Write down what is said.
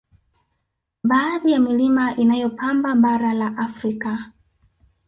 Baadhi ya Milima inayopamba bara la Afrika